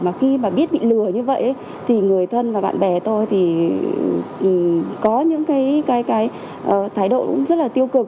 mà khi mà biết bị lừa như vậy thì người thân và bạn bè tôi thì có những cái thái độ cũng rất là tiêu cực